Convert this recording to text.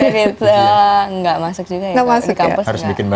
kredit nggak masuk juga ya di kampus